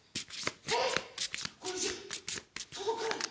えっこれじゃとどかない。